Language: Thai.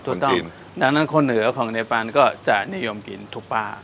คนจีนดังนั้นคนเหนือของเนปานก็จะนิยมกินทุกป้า